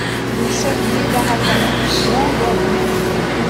RUE CHEF BE - BARAKANI, Ouangani